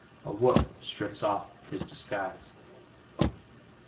A whoop strips off his disguise.